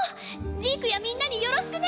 ジークやみんなによろしくね。